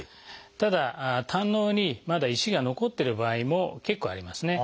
ただ胆のうにまだ石が残ってる場合も結構ありますね。